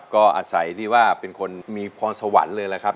ก็อาศัยที่ว่าเป็นคนมีความสวรรค์เลยนะครับ